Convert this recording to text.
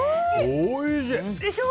おいしい！